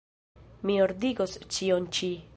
Mi ordigos ĉion ĉi.